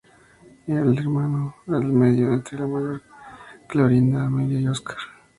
Era el hermano del medio entre la mayor, Clorinda Amelia y Oscar.